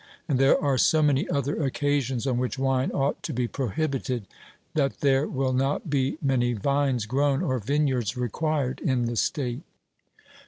And there are so many other occasions on which wine ought to be prohibited, that there will not be many vines grown or vineyards required in the state.